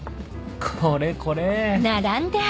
これこれ